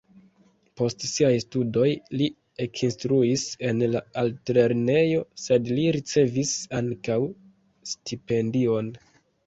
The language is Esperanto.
Post siaj studoj li ekinstruis en la altlernejo, sed li ricevis ankaŭ stipendion.